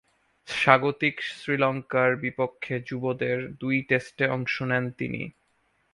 স্বাগতিক শ্রীলঙ্কার বিপক্ষে যুবদের দুই টেস্টে অংশ নেন তিনি।